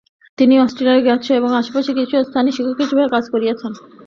তিনি অস্ট্রিয়ার গ্রাৎস এবং আশপাশের কিছু স্থানে শিক্ষক হিসেবে কাজ করেছিলেন।